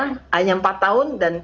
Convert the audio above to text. hanya empat tahun dan